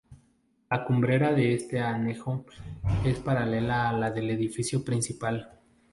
La cumbrera de este anejo es paralela a la del edificio principal.